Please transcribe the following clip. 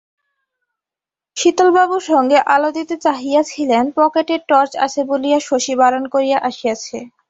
শীতলবাবু সঙ্গে আলো দিতে চাহিয়াছিলেন, পকেটে টর্চ আছে বলিয়া শশী বারণ করিয়া আসিয়াছে।